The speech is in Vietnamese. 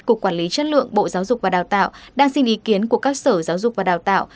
cục quản lý chất lượng bộ giáo dục và đào tạo đang xin ý kiến của các sở giáo dục và đào tạo